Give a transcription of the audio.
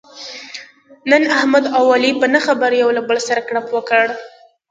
نن احمد او علي په نه خبره یو له بل سره کړپ وکړ.